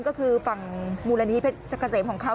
ก็คือฝั่งมูลนิธิเพชรเกษมของเขา